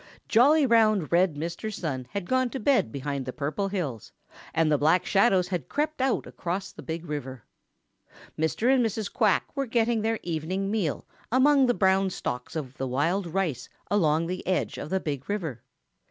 Jolly, round, red Mr. Sun had gone to bed behind the Purple Hills, and the Black Shadows had crept out across the Big River. Mr. and Mrs. Quack were getting their evening meal among the brown stalks of the wild rice along the edge of the Big River.